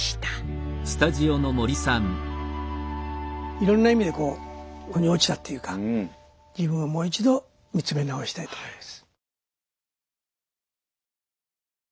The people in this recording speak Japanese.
いろんな意味でこう腑に落ちたっていうか自分をもう一度見つめ直したいと思います。